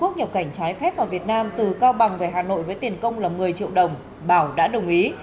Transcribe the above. nhập cảnh trái phép vào việt nam từ cao bằng về hà nội với tiền công là một mươi triệu đồng bảo đã đồng ý